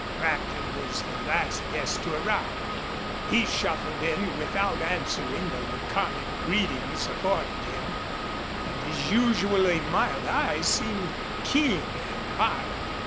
Brackton was the last guest to arrive. He shuffled in without answering the laconic greetings accorded him, and his usually mild eyes seemed keen and hard.